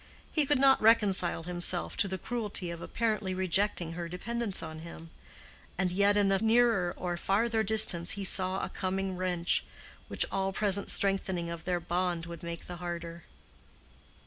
He could not reconcile himself to the cruelty of apparently rejecting her dependence on him; and yet in the nearer or farther distance he saw a coming wrench, which all present strengthening of their bond would make the harder.